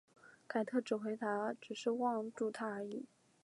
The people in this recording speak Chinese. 凯特回答只是望住他而已。